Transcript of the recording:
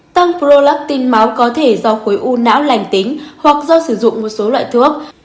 tăng prolavin máu có thể do khối u não lành tính hoặc do sử dụng một số loại thuốc